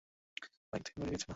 ও তার বাইক থেকে পড়ে গিয়েছিল।